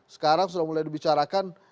sekarang sudah mulai dibicarakan